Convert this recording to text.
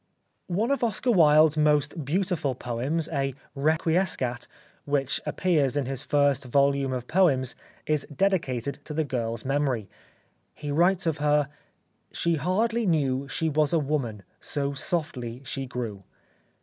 ... One of Oscar Wilde's most beautiful poems, a Requiescat, which appears in his first volume of poems, is dedicated to the girl's memory. He writes of her :—" She hardly knew She was a woman, So softly she grew."